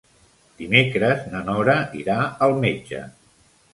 Dimecres na Nora irà al metge.